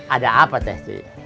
ada apa teh